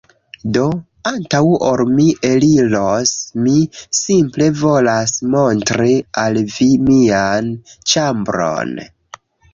Do, antaŭ ol mi eliros, mi simple volas montri al vi mian ĉambron